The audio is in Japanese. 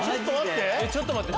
ちょっと待って！